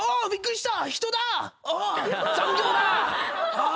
ああ。